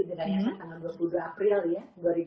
sebenarnya tanggal dua puluh dua april ya